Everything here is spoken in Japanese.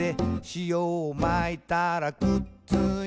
「しおをまいたらくっついた」